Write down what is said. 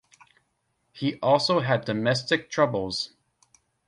He also had domestic troubles.